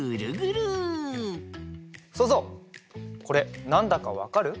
そうぞうこれなんだかわかる？